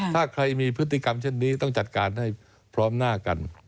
ถ้าใครมีพฤติกรรมเช่นนี้ต้องจัดการให้พร้อมหน้ากัน